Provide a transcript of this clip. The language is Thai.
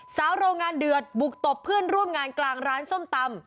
โรงงานเดือดบุกตบเพื่อนร่วมงานกลางร้านส้มตำ